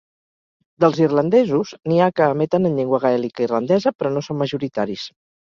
Dels irlandesos n'hi ha que emeten en llengua gaèlica irlandesa però no són majoritaris.